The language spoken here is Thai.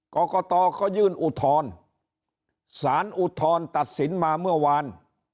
กรกตก็ยื่นอุทธรณ์สารอุทธรณ์ตัดสินมาเมื่อวาน